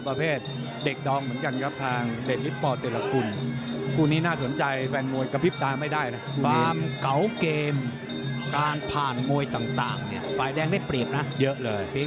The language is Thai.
แดกกระตูนแค่นี้แหล่ะไม่ใหญ่กว่านี้แล้วอ่ะประเภท